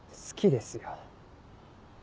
好きですよ！